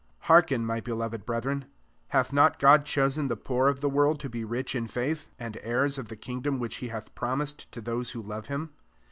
5 Hearken, my beloved breth ren : hath not God chosen the poor of the world to be rich in faith, and heirs of the kingdom which he hath promis^ to those who love him